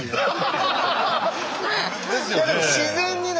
自然にね